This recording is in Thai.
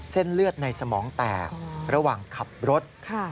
เส้นเลือดในสมองแตกระหว่างขับรถ